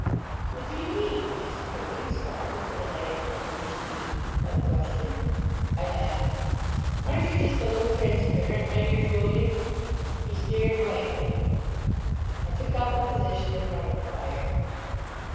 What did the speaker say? "What do you mean?" asked Julian, startled, as I had meant that he should be, by the question. I laughed. "Aren't you just a little transparent, my dear Julian?" He stared blankly. I took up a position in front of the fire.